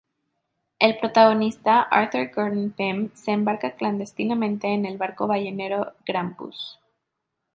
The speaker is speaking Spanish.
El protagonista, Arthur Gordon Pym, se embarca clandestinamente en el barco ballenero "Grampus".